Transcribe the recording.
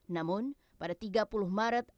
namun pada tiga maret lalu ar dipindahkan ke kapal tiongkok